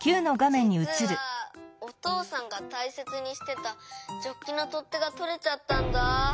じつはおとうさんがたいせつにしてたジョッキのとってがとれちゃったんだ。